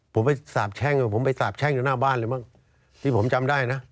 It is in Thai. ผมไปสาบแช่งผมไปสาบแช่งอยู่หน้าบ้านเลยมั้งที่ผมจำได้นะ